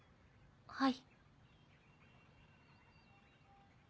はい。